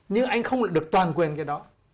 nhưng anh không được toàn quyền cái đó